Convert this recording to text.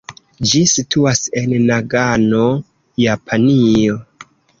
Ĝi situas en Nagano, Japanio.